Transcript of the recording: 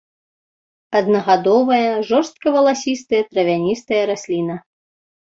Аднагадовая жорстка валасістая травяністая расліна.